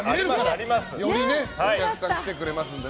よりお客さんが来てくれるので。